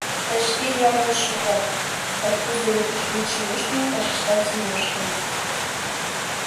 — Тый шке ярныше улат! — картуз дене пӱжвӱдшым ӱштын, вашешта Тимошка.